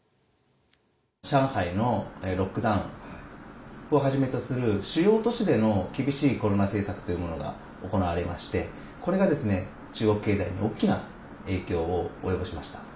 上海のロックダウンをはじめとする主要都市での厳しいコロナ政策というものが行われましてこれがですね、中国経済に大きな影響を及ぼしました。